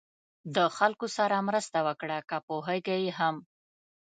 د خلکو سره مرسته وکړه که پوهېږئ هم.